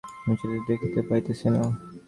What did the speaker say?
আমি চাতুর্বর্ণ্য দেখিতে পাইতেছি না।